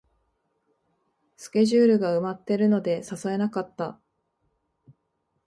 スケジュールが埋まってるので誘えなかった